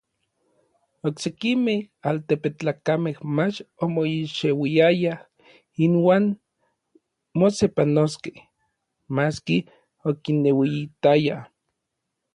Oksekimej altepetlakamej mach omoixeuiayaj inuan mosepanoskej, maski okinueyitayaj.